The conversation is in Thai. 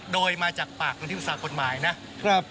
โดยมาจากปากงานธิปุราตรกฎหมายนะครับ